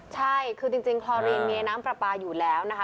ใช่คือจริงคลอรีนมีน้ำปลาปลาอยู่แล้วนะคะ